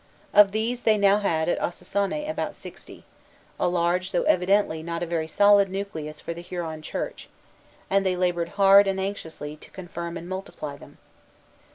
Of these they now had at Ossossané about sixty, a large, though evidently not a very solid nucleus for the Huron church, and they labored hard and anxiously to confirm and multiply them.